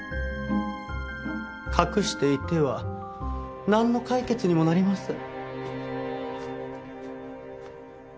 隠していてはなんの解決にもなりません。